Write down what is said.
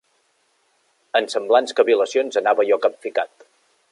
En semblants cavil·lacions anava jo capficat.